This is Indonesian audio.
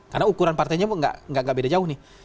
karena ukuran partainya enggak beda jauh nih